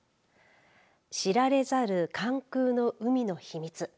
知られざる関空の海の秘密。